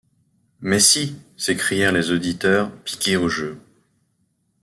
Mais si, s’écrièrent les auditeurs, piqués au jeu.